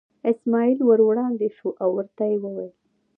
اسماعیل ور وړاندې شو او ورته یې وویل.